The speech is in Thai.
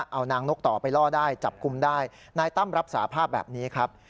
เอานางนกต่อไปล่อได้จับกลุ่มได้นายตั้มรับสาภาพแบบนี้ครับ